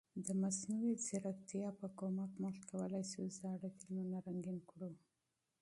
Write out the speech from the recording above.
د مصنوعي ځیرکتیا په مرسته موږ کولای شو زاړه فلمونه رنګین کړو.